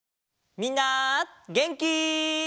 みんなげんき？